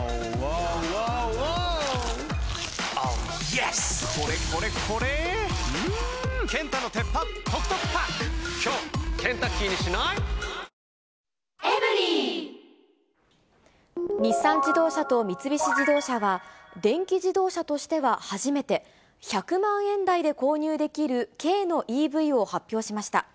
順調に冷凍事業は伸びてきて日産自動車と三菱自動車は、電気自動車としては初めて、１００万円台で購入できる軽のＥＶを発表しました。